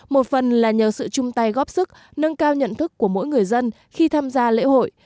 một phần là nhờ sự chung tay góp sức nâng cao nhận thức của mỗi người dân khi tham gia lễ hội